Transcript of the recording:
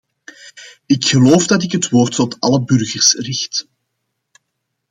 Ik geloof dat ik het woord tot alle burgers richt.